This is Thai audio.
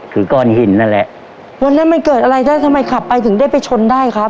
คือก้อนหินนั่นแหละวันนั้นมันเกิดอะไรถ้าทำไมขับไปถึงได้ไปชนได้ครับ